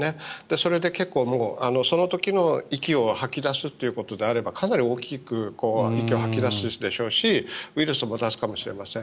それで結構、その時の息を吐き出すということであればかなり大きく息を吐き出すでしょうしウイルスも出すかもしれません。